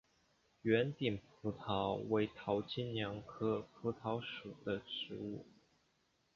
圆顶蒲桃为桃金娘科蒲桃属的植物。